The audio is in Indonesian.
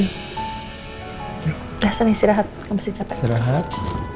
ya sudah senang istirahat kamu masih capek istirahat